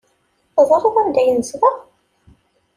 Teẓriḍ anda ay nezdeɣ?